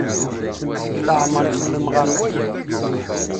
Deg leɛmer ixemmem ɣer waya.